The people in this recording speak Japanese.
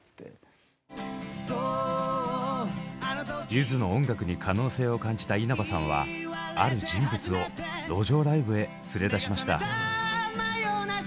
ゆずの音楽に可能性を感じた稲葉さんはある人物を路上ライブへ連れ出しました。